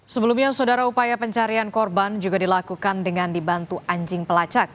sebelumnya saudara upaya pencarian korban juga dilakukan dengan dibantu anjing pelacak